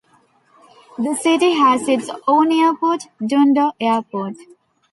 The city has its own airport, Dundo Airport.